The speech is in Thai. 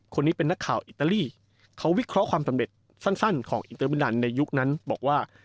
คนนี้เป็นนักข่าวอิตาลีเขาวิเคราะห์ความสำเร็จสั้นของอินเตอร์มิดันในยุคนั้นบอกว่า